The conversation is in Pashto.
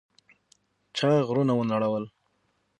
چا غرونه ونړول؟